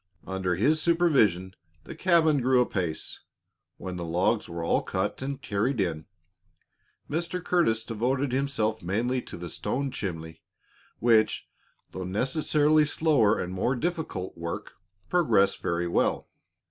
Under his supervision the cabin grew apace. When the logs were all cut and carried in, Mr. Curtis devoted himself mainly to the stone chimney which, though necessarily slower and more difficult work, progressed very well.